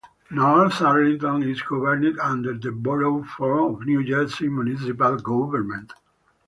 North Arlington is governed under the Borough form of New Jersey municipal government.